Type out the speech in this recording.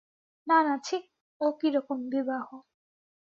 না না, ছিঃ ও কী রকম বিবাহ!